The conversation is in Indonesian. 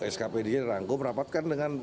skpd dirangkum rapatkan dengan